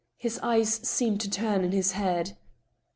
His eyes seemed to turn in his head.